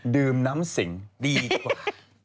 ดื่มน้ำสิงดีกว่า